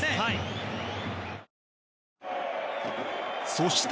そして。